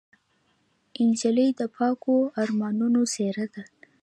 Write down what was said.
نجلۍ د پاکو ارمانونو څېره ده.